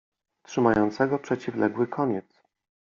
trzymającego przeciwległy koniec.